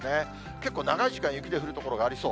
結構長い時間、雪の降る所がありそう。